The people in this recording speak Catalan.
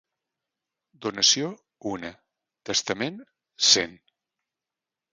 Donació, una; testament, cent.